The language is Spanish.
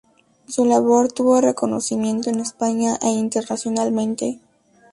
Su labor tuvo reconocimiento en España e internacionalmente.